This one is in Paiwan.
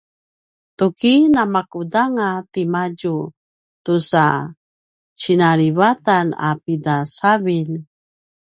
tuki namakudanga timadju tusa cinalivatan a pida cavilj?